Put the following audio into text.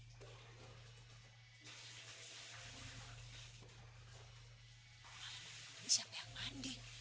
tapi bener tadi ada orang mandi